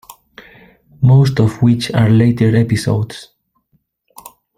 Most of which are later episodes.